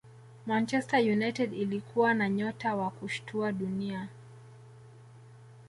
manchester united ilikuwa na nyota wa kushtua dunia